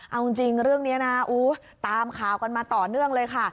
เอาจริงเรื่องนี้นะตามข่าวกันมาต่อเนื่องเลยค่ะ